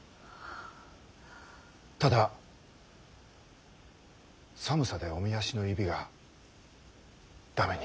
ただ寒さでおみ足の指が駄目に。